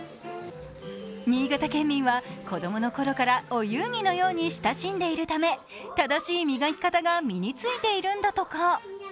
新潟県民は子供の頃からお遊戯のように親しんでいるため、楽しい磨き方が身についているんだとか。